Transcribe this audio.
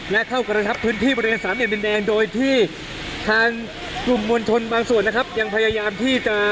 และเข้ากระทับทิมที่บริเวณ๓หนึ่งเด็งโดยที่ทางกลุ่มวัญชนบางส่วนยังพยายามที่จะ